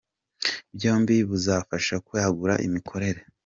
byombi buzafasha kwagura imikorere.